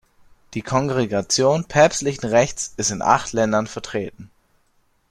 Die Kongregation päpstlichen Rechts ist in acht Ländern vertreten.